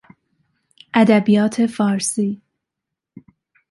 ادبیات فارسی